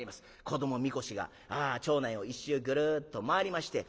子ども神輿が町内を一周ぐるっと回りまして